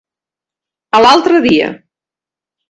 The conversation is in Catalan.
A l'altre dia.